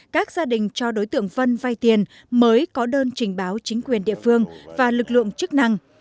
các gia đình cho đối tượng vân vay tiền mới có đơn trình báo chính quyền địa phương và lực lượng chức năng